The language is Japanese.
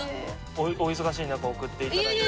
お忙しい中送っていただいて。